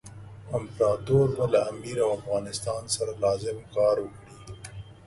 امپراطور به له امیر او افغانستان سره لازم کار وکړي.